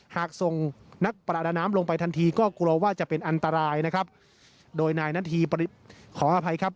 หากส่งนักประดาน้ำลงไปทันทีก็กลัวว่าจะเป็นอันตรายนะครับ